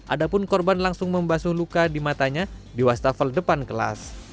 adapun korban langsung membasuh luka di matanya di wastafel depan kelas